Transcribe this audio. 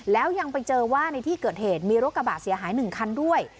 แล้วยังไปเจอว่าในที่เกิดเหตุมีรถกระบะเสียหาย๑คันด้วย